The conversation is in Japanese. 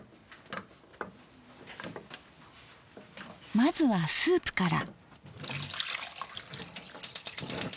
まずはスープから。